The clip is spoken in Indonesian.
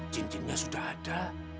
cincinnya sudah ada